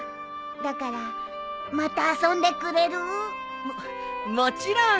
だからまた遊んでくれる？ももちろん！